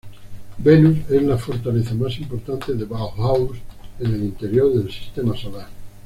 Venus es la fortaleza más importante de Bauhaus en el interior del Sistema Solar.